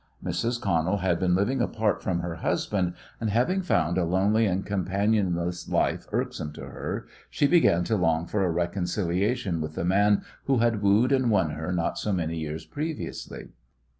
Mrs. Connell had been living apart from her husband, and, having found a lonely and companionless life irksome to her, she began to long for a reconciliation with the man who had wooed and won her not so many years previously.